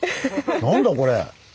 何だこれ。